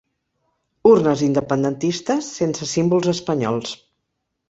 Urnes independentistes, sense símbols espanyols.